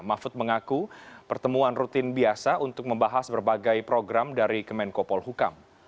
mahfud mengaku pertemuan rutin biasa untuk membahas berbagai program dari kemenkopol hukam